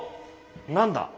何だ？